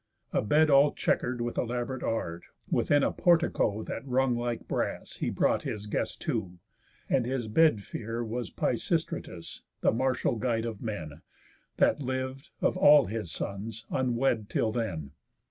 A bed, all chequer'd with elaborate art, Within a portico that rung like brass, He brought his guest to; and his bedfere was Pisistratus, the martial guide of men, That liv'd, of all his sons, unwed till then.